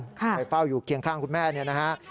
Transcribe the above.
ไปเฝ้าอยู่เคียงข้างคุณแม่เนี่ยนะฮะ